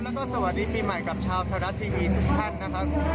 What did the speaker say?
แล้วก็สวัสดีปีใหม่กับชาวไทยรัฐทีวีทุกท่านนะครับ